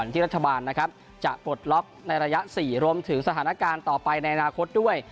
ที่รัฐบาลนะครับจะปลดล็อกในระยะ๔รวมถึงสถานการณ์ต่อไปในอนาคตด้วย